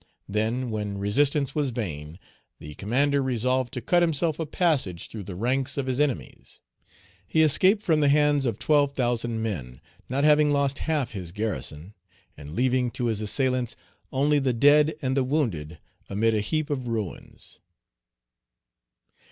Then, when resistance was vain, the commander resolved to cut himself a passage through the ranks of his enemies. He escaped from the hands of 12,000 men, not having lost half his garrison, and leaving to his assailants only the dead and the wounded amid a heap of ruins.